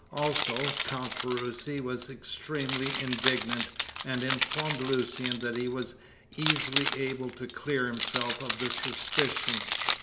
Also, Count Ferruci was extremely indignant, and informed Lucian that he was easily able to clear himself of the suspicion.